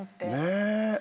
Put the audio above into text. ねえ。